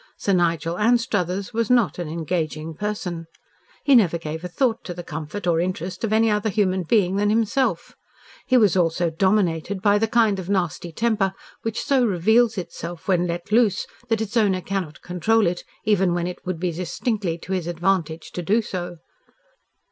Sir Nigel Anstruthers was not an engaging person. He never gave a thought to the comfort or interest of any other human being than himself. He was also dominated by the kind of nasty temper which so reveals itself when let loose that its owner cannot control it even when it would be distinctly to his advantage to do so.